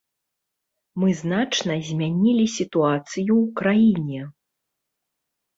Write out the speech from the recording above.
Мы значна змянілі сітуацыю ў краіне.